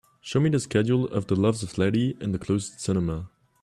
show me the schedule of The Loves of Letty in the closest cinema